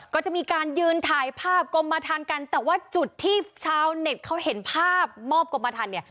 ก็จะมีการยืนถ่ายภาพกรมมาทานกันแต่ว่าจุดที่ชาวเน็ตเขาเห็นภาพมอบกรมทันเนี่ย